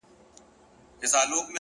پرمختګ د آرامې سیمې پرېښودل غواړي!.